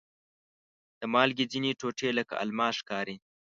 د مالګې ځینې ټوټې لکه الماس ښکاري.